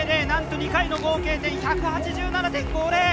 なんと２回の合計で１８７．５０！